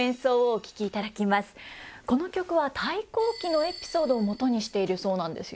この曲は「太閤記」のエピソードをもとにしているそうなんですよ。